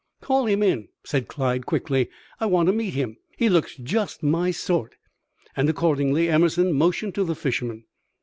"Call him in," said Clyde, quickly. "I want to meet him. He looks just my sort." And accordingly Emerson motioned to the fisherman.